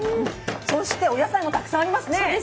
お野菜もたくさんありますね。